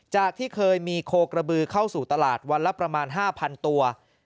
ที่เคยมีโคกระบือเข้าสู่ตลาดวันละประมาณ๕๐๐ตัว